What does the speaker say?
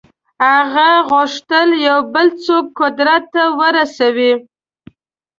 هغه غوښتل یو بل څوک قدرت ته ورسوي.